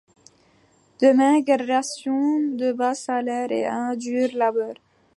De maigres rations, de bas salaires et un dur labeur.